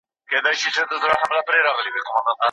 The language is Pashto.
که نجونې ننګ ولري نو وطن به نه پلورل کیږي.